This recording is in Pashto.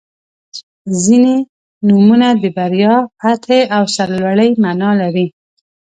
• ځینې نومونه د بریا، فتحې او سرلوړۍ معنا لري.